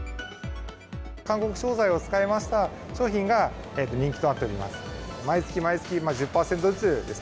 韓国商材を使いました商品が人気となっております。